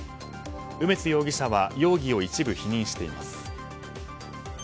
梅津容疑者は容疑を一部否認しています。